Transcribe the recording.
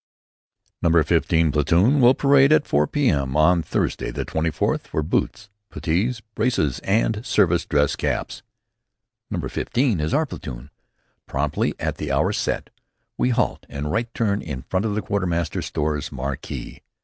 "Number 15 platoon will parade at 4 P.M. on Thursday, the 24th, for boots, puttees, braces, and service dress caps." Number 15 is our platoon. Promptly at the hour set we halt and right turn in front of the Quartermaster Stores marquee.